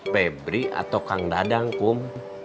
pebri atau kang dadang kum